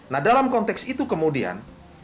nah dalam konteks itu kemudian